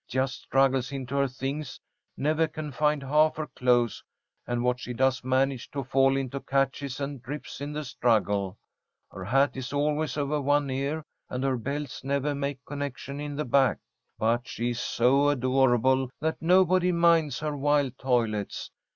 Just struggles into her things, never can find half her clothes, and what she does manage to fall into catches and rips in the struggle. Her hat is always over one ear, and her belts never make connection in the back, but she's so adorable that nobody minds her wild toilets.